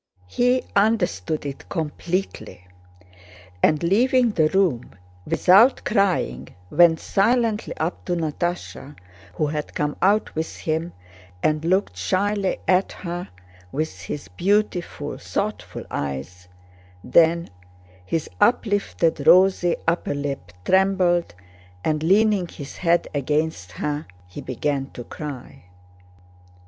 He understood it completely, and, leaving the room without crying, went silently up to Natásha who had come out with him and looked shyly at her with his beautiful, thoughtful eyes, then his uplifted, rosy upper lip trembled and leaning his head against her he began to cry.